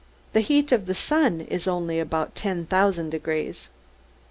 The heat of the sun is only about ten thousand degrees.